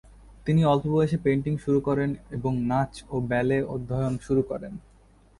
তিনি অল্প বয়সে পেইন্টিং শুরু করেন এবং নাচ ও ব্যালে অধ্যায়ন শুরু করেন।